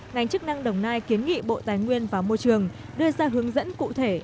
ngành chức năng đồng nai kiến nghị bộ tài nguyên và môi trường đưa ra hướng dẫn cụ thể